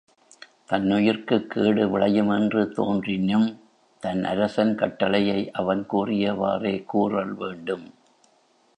தன்னுயிர்க்குக்கேடு விளையும் என்று தோன்றினும் தன் அரசன் கட்டளையை அவன் கூறியவாறே கூறல் வேண்டும்.